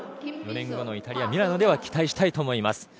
４年後のイタリア・ミラノでは期待したいと思います。